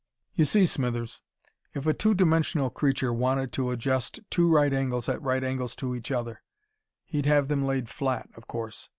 "You see, Smithers, if a two dimensioned creature wanted to adjust two right angles at right angles to each other, he'd have them laid flat, of course.